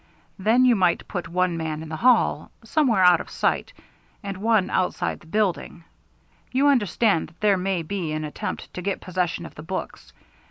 Then you might put one man in the hall somewhere out of sight and one outside the building. You understand that there may be an attempt to get possession of the books.